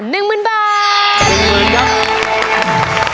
หนึ่งหมื่นบาท